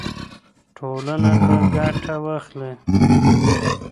ټولنه به ګټه واخلي.